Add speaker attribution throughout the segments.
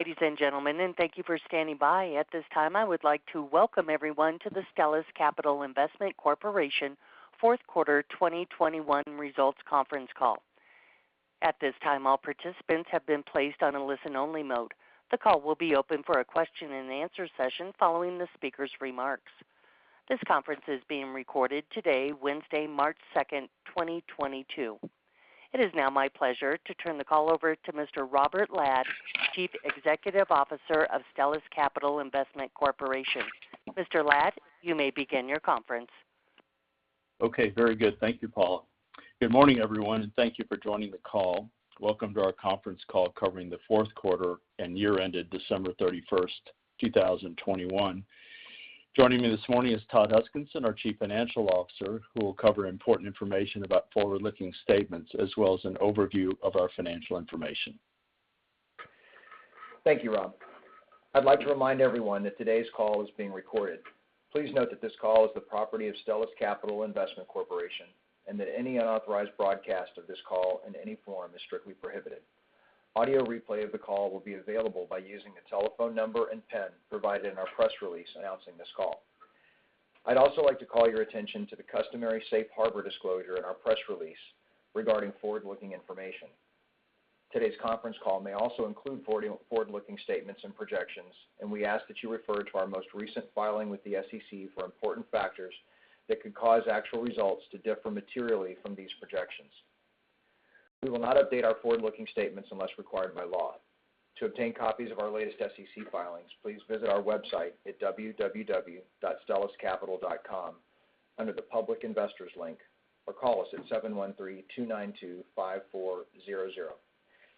Speaker 1: Ladies and gentlemen, and thank you for standing by. At this time, I would like to welcome everyone to the Stellus Capital Investment Corporation fourth quarter 2021 results conference call. At this time, all participants have been placed on a listen-only mode. The call will be open for a question-and-answer session following the speaker's remarks. This conference is being recorded today, Wednesday, March 2, 2022. It is now my pleasure to turn the call over to Mr. Robert Ladd, Chief Executive Officer of Stellus Capital Investment Corporation. Mr. Ladd, you may begin your conference.
Speaker 2: Okay, very good. Thank you, Paula. Good morning, everyone, and thank you for joining the call. Welcome to our conference call covering the fourth quarter and year ended December 31, 2021. Joining me this morning is Todd Huskinson, our Chief Financial Officer, who will cover important information about forward-looking statements as well as an overview of our financial information.
Speaker 3: Thank you, Rob. I'd like to remind everyone that today's call is being recorded. Please note that this call is the property of Stellus Capital Investment Corporation, and that any unauthorized broadcast of this call in any form is strictly prohibited. Audio replay of the call will be available by using the telephone number and PIN provided in our press release announcing this call. I'd also like to call your attention to the customary safe harbor disclosure in our press release regarding forward-looking information. Today's conference call may also include forward-looking statements and projections, and we ask that you refer to our most recent filing with the SEC for important factors that could cause actual results to differ materially from these projections. We will not update our forward-looking statements unless required by law. To obtain copies of our latest SEC filings, please visit our website at www.stelluscapital.com under the Public Investors link, or call us at 713-292-5400.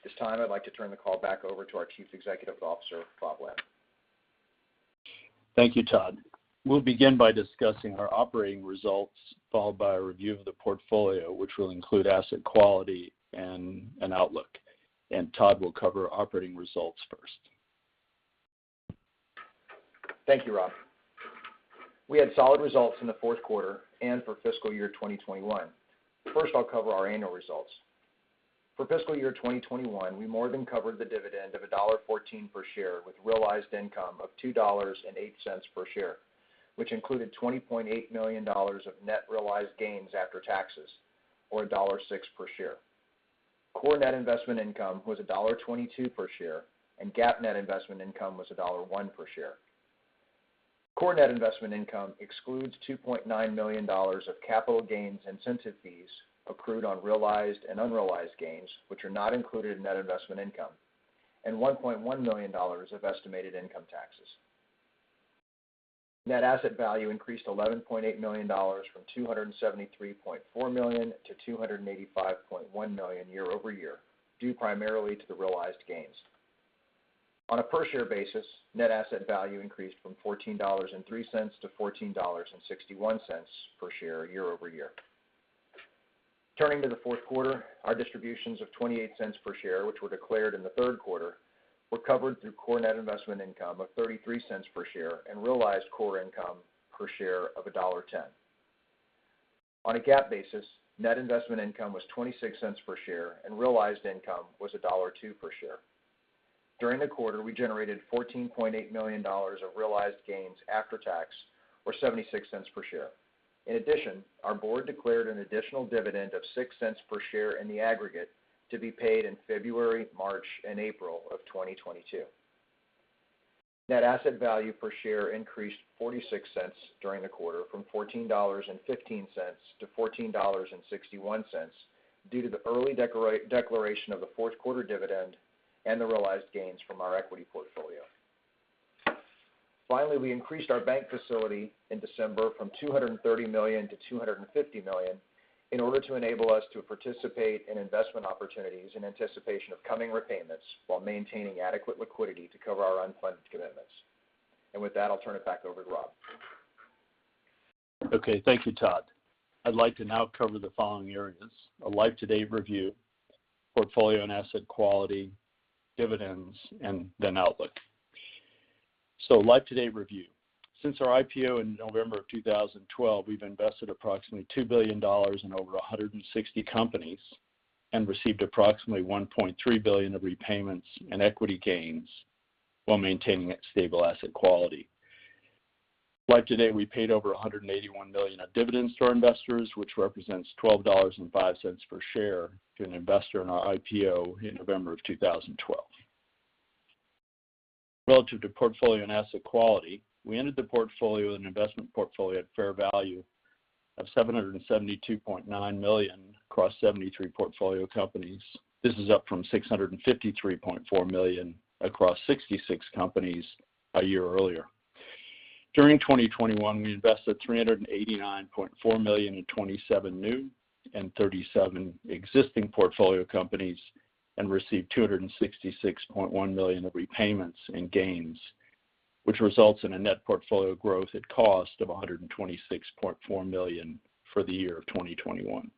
Speaker 3: This time, I'd like to turn the call back over to our Chief Executive Officer, Rob Ladd.
Speaker 2: Thank you, Todd. We'll begin by discussing our operating results, followed by a review of the portfolio, which will include asset quality and an outlook. Todd will cover operating results first.
Speaker 3: Thank you, Rob. We had solid results in the fourth quarter and for fiscal year 2021. First, I'll cover our annual results. For fiscal year 2021, we more than covered the dividend of $1.14 per share with realized income of $2.08 per share, which included $20.8 million of net realized gains after taxes or $1.06 per share. Core net investment income was $1.22 per share, and GAAP net investment income was $1.01 per share. Core net investment income excludes $2.9 million of capital gains incentive fees accrued on realized and unrealized gains, which are not included in net investment income, and $1.1 million of estimated income taxes. Net asset value increased $11.8 million from $273.4 million to $285.1 million year-over-year, due primarily to the realized gains. On a per share basis, net asset value increased from $14.03 to $14.61 per share year-over-year. Turning to the fourth quarter, our distributions of $0.28 per share, which were declared in the third quarter, were covered through core net investment income of $0.33 per share and realized core income per share of $1.10. On a GAAP basis, net investment income was $0.26 per share and realized income was $1.02 per share. During the quarter, we generated $14.8 million of realized gains after tax or $0.76 per share. In addition, our board declared an additional dividend of $0.06 per share in the aggregate to be paid in February, March, and April of 2022. Net asset value per share increased $0.46 during the quarter from $14.15-$14.61 due to the early declaration of the fourth quarter dividend and the realized gains from our equity portfolio. Finally, we increased our bank facility in December from $230 million to $250 million in order to enable us to participate in investment opportunities in anticipation of coming repayments while maintaining adequate liquidity to cover our unfunded commitments. With that, I'll turn it back over to Rob.
Speaker 2: Okay, thank you, Todd. I'd like to now cover the following areas, a life-to-date review, portfolio and asset quality, dividends, and then outlook. Life-to-date review. Since our IPO in November 2012, we've invested approximately $2 billion in over 160 companies and received approximately $1.3 billion of repayments and equity gains while maintaining a stable asset quality. Life-to-date, we paid over $181 million of dividends to our investors, which represents $12.05 per share to an investor in our IPO in November 2012. Relative to portfolio and asset quality, we ended the portfolio with an investment portfolio at fair value of $772.9 million across 73 portfolio companies. This is up from $653.4 million across 66 companies a year earlier. During 2021, we invested $389.4 million in 27 new and 37 existing portfolio companies and received $266.1 million of repayments and gains, which results in a net portfolio growth at cost of $126.4 million for the year of 2021.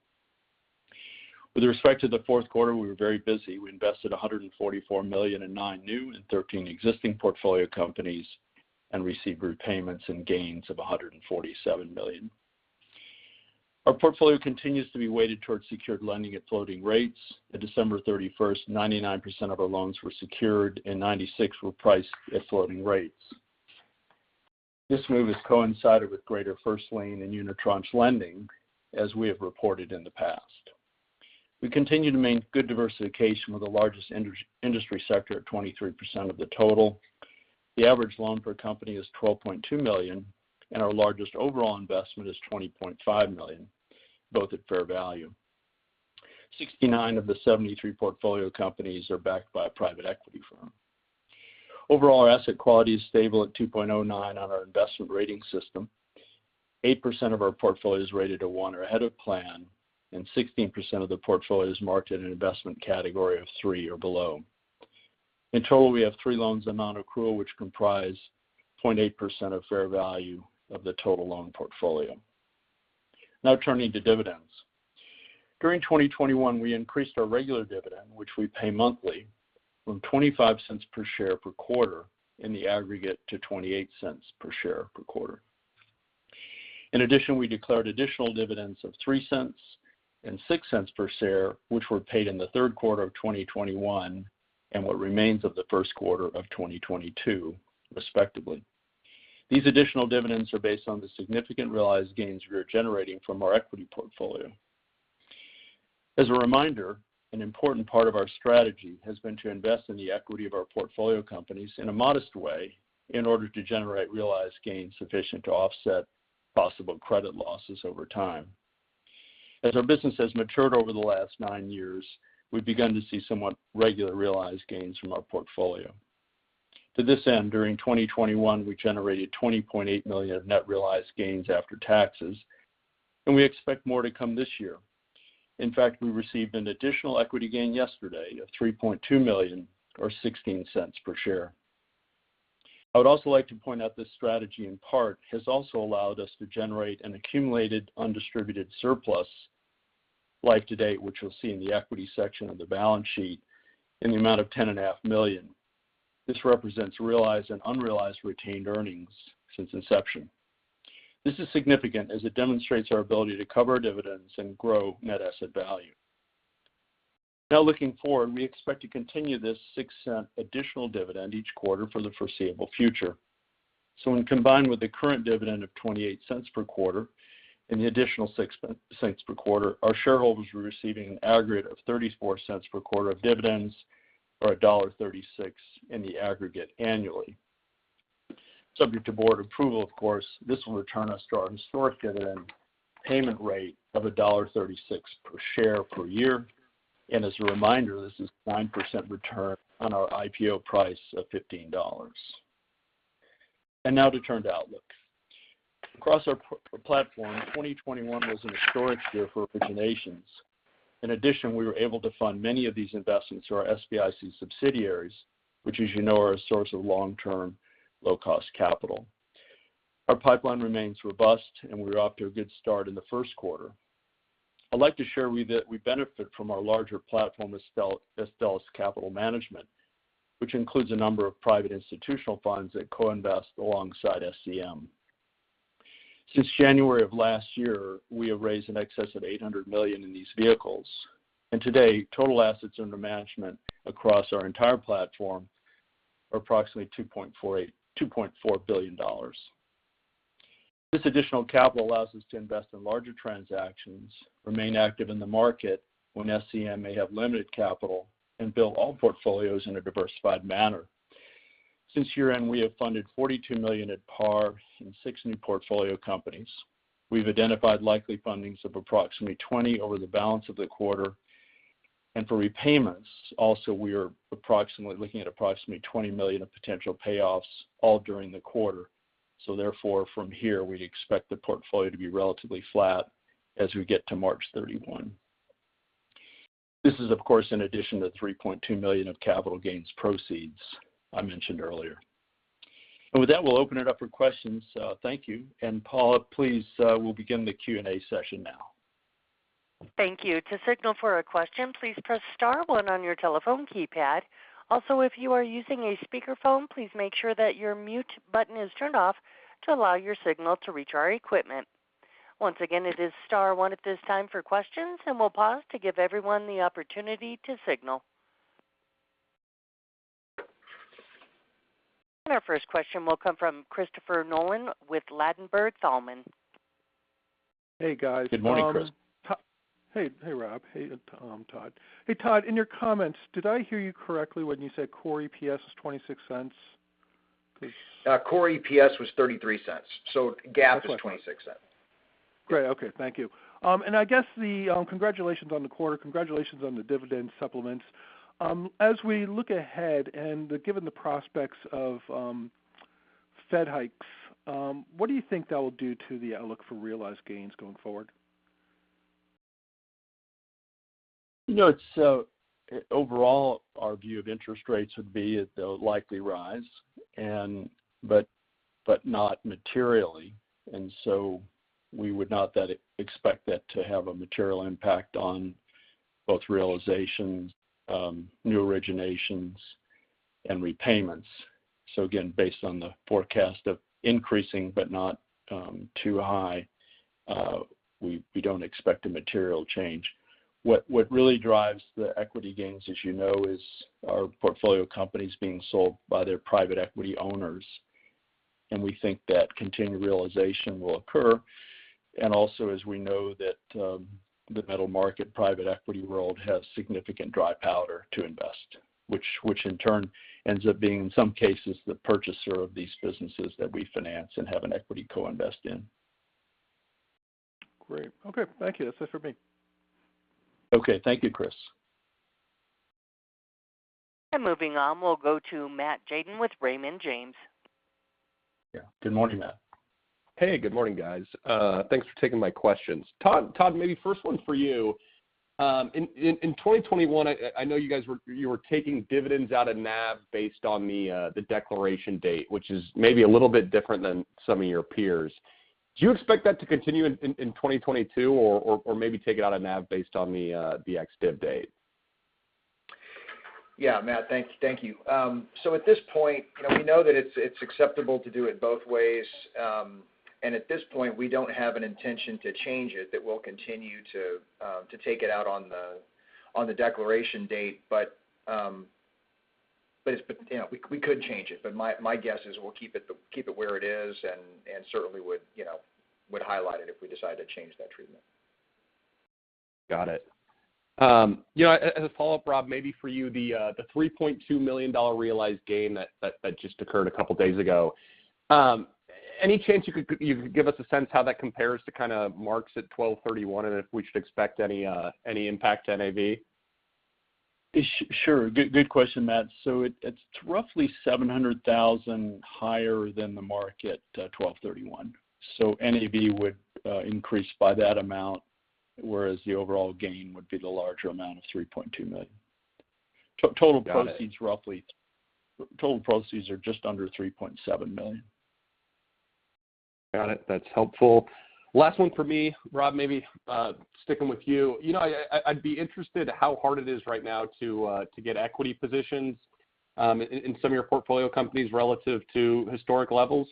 Speaker 2: With respect to the fourth quarter, we were very busy. We invested $144 million in 9 new and 13 existing portfolio companies and received repayments and gains of $147 million. Our portfolio continues to be weighted towards secured lending at floating rates. At December 31, 99% of our loans were secured and 96% were priced at floating rates. This move has coincided with greater first lien and unitranche lending, as we have reported in the past. We continue to maintain good diversification with the largest industry sector at 23% of the total. The average loan per company is $12.2 million, and our largest overall investment is $20.5 million, both at fair value. Sixty-nine of the 73 portfolio companies are backed by a private equity firm. Overall, our asset quality is stable at 2.09 on our investment rating system. Eight percent of our portfolio is rated a one or ahead of plan, and 16% of the portfolio is marked at an investment category of three or below. In total, we have three loans on non-accrual, which comprise 0.8% of fair value of the total loan portfolio. Now turning to dividends. During 2021, we increased our regular dividend, which we pay monthly from $0.25 per share per quarter in the aggregate to $0.28 per share per quarter. In addition, we declared additional dividends of $0.03 and $0.06 per share, which were paid in the third quarter of 2021 and what remains of the first quarter of 2022, respectively. These additional dividends are based on the significant realized gains we are generating from our equity portfolio. As a reminder, an important part of our strategy has been to invest in the equity of our portfolio companies in a modest way in order to generate realized gains sufficient to offset possible credit losses over time. As our business has matured over the last 9 years, we've begun to see somewhat regular realized gains from our portfolio. To this end, during 2021, we generated $20.8 million of net realized gains after taxes, and we expect more to come this year. In fact, we received an additional equity gain yesterday of $3.2 million or $0.16 per share. I would also like to point out this strategy in part has also allowed us to generate an accumulated undistributed surplus to date, which you'll see in the equity section of the balance sheet in the amount of $10.5 million. This represents realized and unrealized retained earnings since inception. This is significant as it demonstrates our ability to cover dividends and grow net asset value. Now looking forward, we expect to continue this $0.06 additional dividend each quarter for the foreseeable future. When combined with the current dividend of $0.28 per quarter and the additional six cents per quarter, our shareholders are receiving an aggregate of $0.34 per quarter of dividends or $1.36 in the aggregate annually. Subject to board approval, of course, this will return us to our historic dividend payment rate of $1.36 per share per year. As a reminder, this is 9% return on our IPO price of $15. Now to turn to outlook. Across our platform, 2021 was an historic year for originations. In addition, we were able to fund many of these investments through our SBIC subsidiaries, which, as you know, are a source of long-term, low-cost capital. Our pipeline remains robust, and we're off to a good start in the first quarter. I'd like to share with you that we benefit from our larger platform, Stellus Capital Management, which includes a number of private institutional funds that co-invest alongside SCM. Since January of last year, we have raised in excess of $800 million in these vehicles. Today, total assets under management across our entire platform are approximately $2.4 billion. This additional capital allows us to invest in larger transactions, remain active in the market when SCM may have limited capital, and build all portfolios in a diversified manner. Since year-end, we have funded $42 million at par in six new portfolio companies. We've identified likely fundings of approximately 20 over the balance of the quarter. For repayments, also, we are looking at approximately $20 million of potential payoffs all during the quarter. Therefore, from here, we expect the portfolio to be relatively flat as we get to March 31. This is, of course, in addition to $3.2 million of capital gains proceeds I mentioned earlier. With that, we'll open it up for questions. Thank you. Paula, please, we'll begin the Q&A session now.
Speaker 1: Thank you. To signal for a question, please press star one on your telephone keypad. Also, if you are using a speakerphone, please make sure that your mute button is turned off to allow your signal to reach our equipment. Once again, it is star one at this time for questions, and we'll pause to give everyone the opportunity to signal. Our first question will come from Christopher Nolan with Ladenburg Thalmann.
Speaker 4: Hey, guys.
Speaker 2: Good morning, Chris.
Speaker 4: Hey, Rob. Hey, Tom, Todd. Hey, Todd, in your comments, did I hear you correctly when you said core EPS is $0.26?
Speaker 3: Core EPS was $0.33. GAAP is $0.26.
Speaker 4: Great. Okay. Thank you. I guess the congratulations on the quarter. Congratulations on the dividend supplements. As we look ahead and given the prospects of Fed hikes, what do you think that will do to the outlook for realized gains going forward?
Speaker 2: You know, so overall, our view of interest rates would be that they'll likely rise but not materially. We would not expect that to have a material impact on both realizations, new originations and repayments. Again, based on the forecast of increasing but not too high, we don't expect a material change. What really drives the equity gains, as you know, is our portfolio companies being sold by their private equity owners. We think that continued realization will occur. Also, as we know that, the middle market private equity world has significant dry powder to invest, which in turn ends up being, in some cases, the purchaser of these businesses that we finance and have an equity co-investment in.
Speaker 4: Great. Okay, thank you. That's it for me.
Speaker 2: Okay. Thank you, Chris.
Speaker 1: Moving on, we'll go to Matt Hajdun with Raymond James.
Speaker 5: Yeah. Good morning, Matt. Hey, good morning, guys. Thanks for taking my questions. Todd, maybe first one's for you. In 2021, I know you guys were taking dividends out of NAV based on the declaration date, which is maybe a little bit different than some of your peers. Do you expect that to continue in 2022 or maybe take it out of NAV based on the ex-div date?
Speaker 3: Yeah, Matt. Thank you, thank you. At this point, you know, we know that it's acceptable to do it both ways. At this point, we don't have an intention to change it, that we'll continue to take it out on the declaration date. It's been. You know, we could change it, but my guess is we'll keep it where it is and certainly would, you know, would highlight it if we decide to change that treatment.
Speaker 5: Got it. You know, as a follow-up, Rob, maybe for you, the $3.2 million realized gain that just occurred a couple days ago. Any chance you could give us a sense how that compares to kinda marks at 12/31 and if we should expect any impact to NAV?
Speaker 2: Sure. Good question, Matt. It's roughly $700,000 higher than the market at 12/31. NAV would increase by that amount, whereas the overall gain would be the larger amount of $3.2 million. Total proceeds-
Speaker 5: Got it.
Speaker 2: Roughly, total proceeds are just under $3.7 million.
Speaker 5: Got it. That's helpful. Last one for me. Rob, maybe sticking with you. You know, I'd be interested how hard it is right now to get equity positions in some of your portfolio companies relative to historic levels.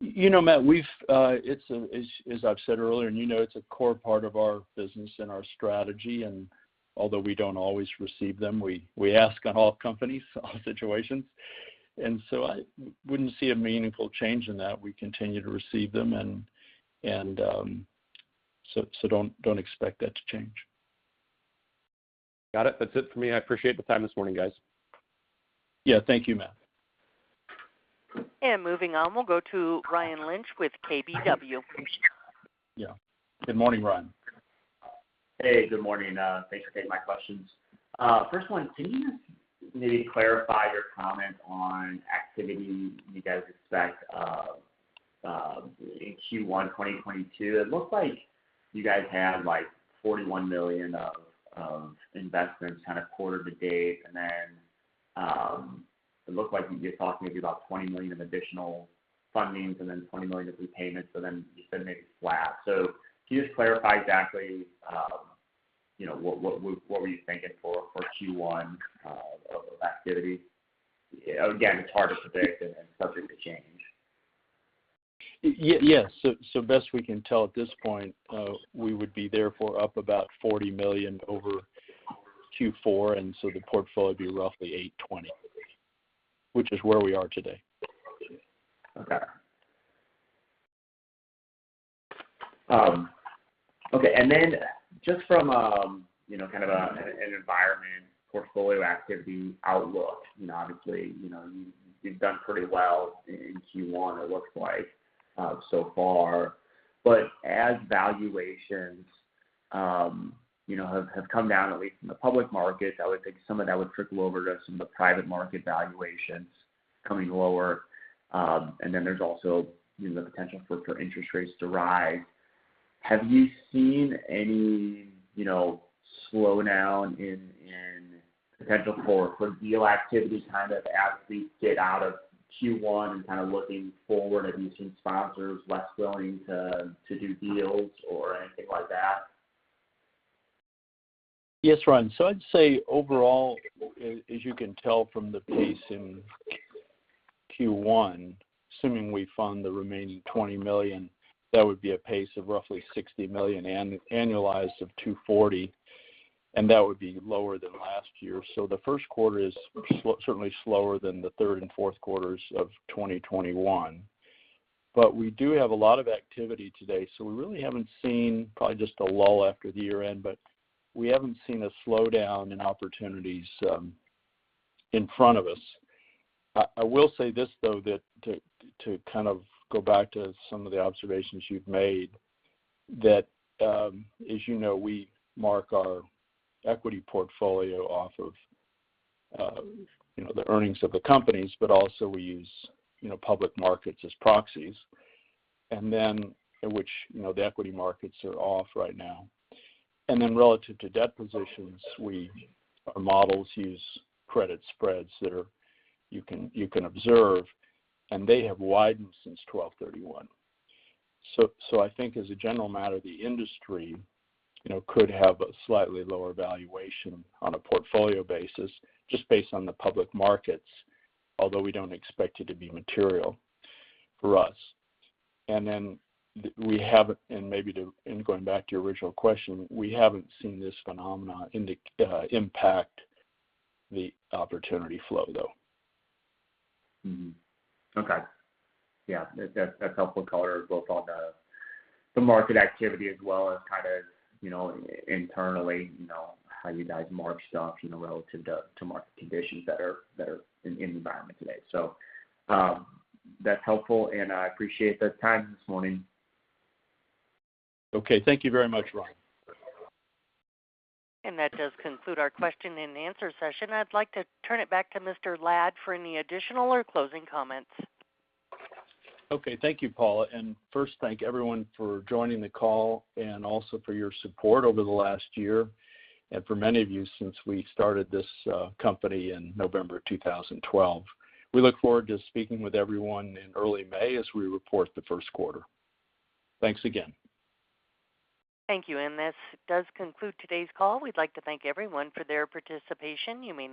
Speaker 2: You know, Matt, as I've said earlier, and you know it's a core part of our business and our strategy, and although we don't always receive them, we ask on all companies, all situations. I wouldn't see a meaningful change in that. We continue to receive them and don't expect that to change.
Speaker 5: Got it. That's it for me. I appreciate the time this morning, guys.
Speaker 2: Yeah. Thank you, Matt.
Speaker 1: Moving on, we'll go to Ryan Lynch with KBW.
Speaker 6: Yeah. Good morning, Ryan. Hey, good morning. Thanks for taking my questions. First one, can you maybe clarify your comment on activity you guys expect in Q1 2022? It looks like you guys had, like, $41 million of investments kind of quarter to date. It looks like you're talking maybe about $20 million in additional fundings and then $20 million of repayments, so then you said maybe flat. Can you just clarify exactly, you know, what were you thinking for Q1 of activity? Again, it's hard to predict and subject to change.
Speaker 2: Yes. Best we can tell at this point, we would be therefore up about $40 million over Q4, and so the portfolio would be roughly $820 million, which is where we are today.
Speaker 6: Okay. Okay. Just from, you know, kind of, an environment portfolio activity outlook, you know, obviously, you know, you've done pretty well in Q1, it looks like, so far. As valuations, you know, have come down, at least in the public market, I would think some of that would trickle over to some of the private market valuations coming lower. There's also, you know, the potential for interest rates to rise. Have you seen any, you know, slowdown in potential for deal activity kind of as we get out of Q1 and kind of looking forward? Have you seen sponsors less willing to do deals or anything like that?
Speaker 2: Yes, Ryan. I'd say overall, as you can tell from the pace in Q1, assuming we fund the remaining $20 million, that would be a pace of roughly $60 million, annualized of $240 million, and that would be lower than last year. The first quarter is certainly slower than the third and fourth quarters of 2021. We do have a lot of activity today, so we really haven't seen, probably just a lull after the year-end, but we haven't seen a slowdown in opportunities in front of us. I will say this, though, that to kind of go back to some of the observations you've made, that as you know, we mark our equity portfolio off of you know, the earnings of the companies, but also we use you know, public markets as proxies. In which, you know, the equity markets are off right now. Relative to debt positions, our models use credit spreads that you can observe, and they have widened since 12/31. I think as a general matter, the industry, you know, could have a slightly lower valuation on a portfolio basis, just based on the public markets, although we don't expect it to be material for us. Going back to your original question, we haven't seen this phenomenon in the impact on the opportunity flow, though.
Speaker 6: That's helpful color both on the market activity as well as kind of, you know, internally, you know, how you guys mark stuff, you know, relative to market conditions that are in the environment today. That's helpful, and I appreciate the time this morning.
Speaker 2: Okay. Thank you very much, Ryan.
Speaker 1: That does conclude our question and answer session. I'd like to turn it back to Mr. Ladd for any additional or closing comments.
Speaker 2: Okay. Thank you, Paula. First, thank everyone for joining the call and also for your support over the last year, and for many of you, since we started this company in November of 2012. We look forward to speaking with everyone in early May as we report the first quarter. Thanks again.
Speaker 1: Thank you. This does conclude today's call. We'd like to thank everyone for their participation. You may now disconnect.